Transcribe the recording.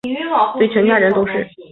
对全家人都是